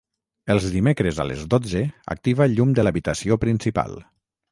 Els dimecres a les dotze activa el llum de l'habitació principal.